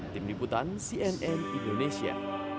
tim liputan cnn indonesia